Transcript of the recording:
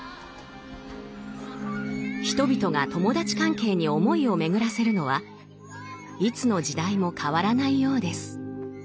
人々が友達関係に思いを巡らせるのはいつの時代も変わらないようです。